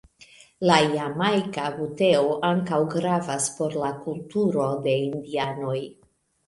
La Jamajka buteo ankaŭ gravas por la kulturo de indianoj.